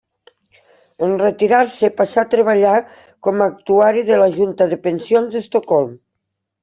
En retirar-se passà a treballar com a actuari de la Junta de Pensions d'Estocolm.